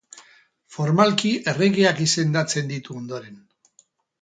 Formalki erregeak izendatzen ditu ondoren.